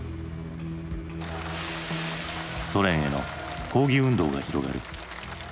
ソ連への抗議運動が広がる。